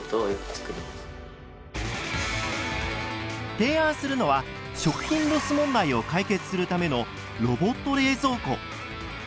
提案するのは食品ロス問題を解決するためのロボット冷蔵庫！